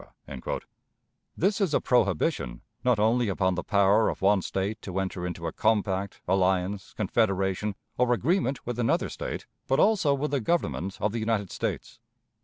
This is a prohibition not only upon the power of one State to enter into a compact, alliance, confederation, or agreement with another State, but also with the Government of the United States.